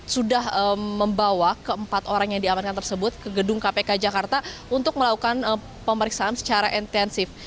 sudah membawa keempat orang yang diamankan tersebut ke gedung kpk jakarta untuk melakukan pemeriksaan secara intensif